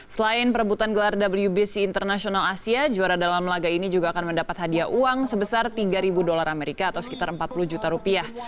selain perebutan gelar wbc international asia juara dalam laga ini juga akan mendapat hadiah uang sebesar tiga ribu dolar amerika atau sekitar empat puluh juta rupiah